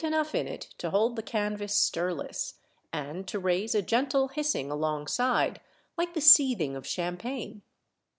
enough in it to hold the canvas stirless, and to raise a gentle hissing alongside like the seething of champagne.